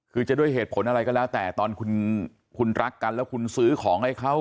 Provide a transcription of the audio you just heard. คือจะด้วยเหตุผลอะไรก็แล้วแต่ตอนคุณรักกันแล้วคุณซื้อของให้เขา